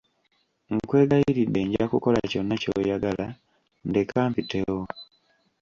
Nkwegayiridde nja kukola kyonna kyoyagala ndeka mpitewo.